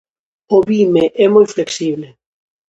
O vime é moi flexible.